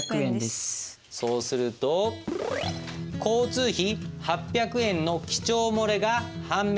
そうすると交通費８００円の記帳漏れが判明した。